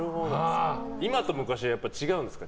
今と昔はやっぱり違うんですか？